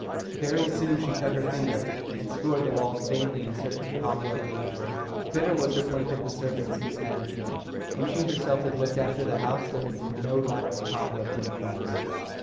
Very soon she cut her finger, and scoured the walls vainly in search of cobweb ligature. Bitter was her plaint of the servant's mismanagement; when she herself had looked after the house there had been no lack of cobwebs in the corners.